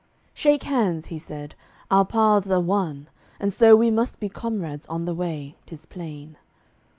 "Shake hands," he said; "our paths are one, and so We must be comrades on the way, 'tis plain."